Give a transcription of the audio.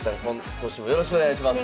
今年もよろしくお願いします。